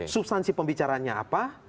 substansi pembicaranya apa